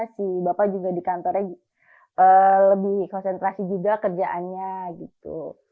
si bapak juga di kantornya lebih konsentrasi juga kerjaannya gitu